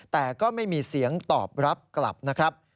แต่ก็ไม่มีเสียงตอบรับกลับนะครับ